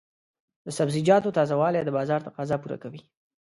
د سبزیجاتو تازه والي د بازار تقاضا پوره کوي.